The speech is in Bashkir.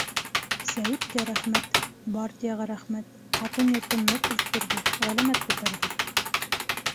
Сәүиткә рәхмәт, бартияға рәхмәт: ҡатын йортон ныҡ үҫтерҙе, ғәләмәт күтәрҙе.